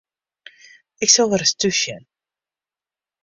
Ik sil wer ris thús sjen.